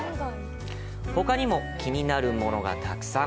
ほかにも気になるものがたくさん。